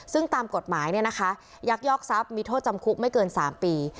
ซึ่งตามกฎหมายยักยอกทรัพย์มีโทษจำคุกไม่เกิน๓ปี